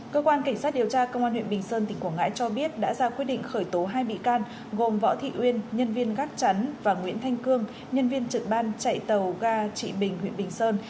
cơ quan cảnh sát điều tra công an huyện bình sơn tỉnh quảng ngãi cho biết đã ra quyết định khởi tố hai bị can gồm võ thị uyên nhân viên gác chắn và nguyễn thanh cương nhân viên trực ban chạy tàu ga trị bình huyện bình sơn